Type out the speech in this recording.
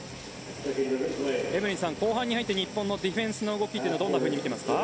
エブリンさん、後半に入って日本のディフェンスの動きどんなふうに見ていますか？